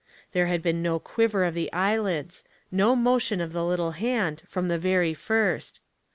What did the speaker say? There had been no quiver of the eyelids, no motion of the little hand, from the very first.